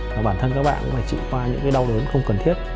và bản thân các bạn cũng phải trị qua những cái đau lớn không cần thiết